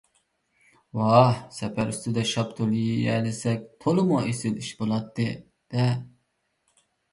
ۋاھ، سەپەر ئۈستىدە شاپتۇل يېيەلىسەك، تولىمۇ ئېسىل ئىش بولاتتى - دە!